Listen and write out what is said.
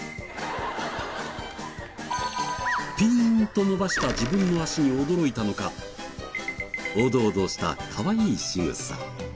ピーンと伸ばした自分の足に驚いたのかおどおどしたかわいいしぐさ。